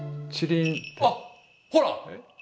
あっほら。